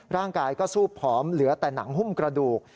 ร่างกายก็สู้ผอมเหลือแต่หนังหุ้มกระดูก